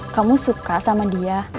kamu suka sama dia